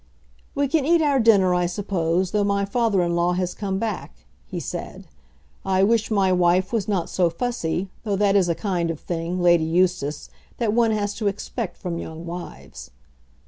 "We can eat our dinner, I suppose, though my father in law has come back," he said. "I wish my wife was not so fussy, though that is a kind of thing, Lady Eustace, that one has to expect from young wives."